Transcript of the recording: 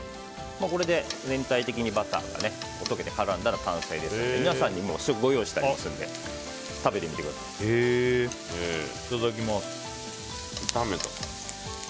これで全体的にバターが絡んだら完成ですので、皆さんに試食をご用意してますのでいただきます。